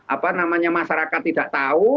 apa namanya masyarakat tidak tahu